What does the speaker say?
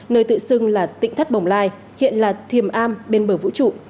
nơi tự xưng là tỉnh thất bồng lai hiện là thiềm am bên bờ vũ trụ